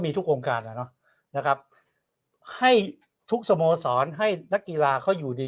มีทุกองค์การอ่ะเนอะนะครับให้ทุกสโมสรให้นักกีฬาเขาอยู่ดี